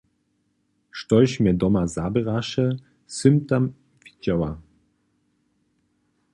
Štož mje doma zaběraše, sym tam widźała.